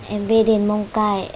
em về đến mông cải